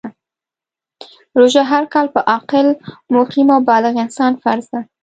روژه هر کال په عاقل ، مقیم او بالغ انسان فرض ده .